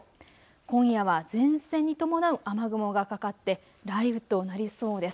今夜は前線に伴う雨雲がかかって雷雨となりそうです。